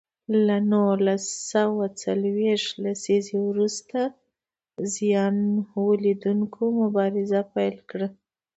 له نولس سوه څلویښت لسیزې وروسته زیان ولیدوونکو مبارزه پیل کړه.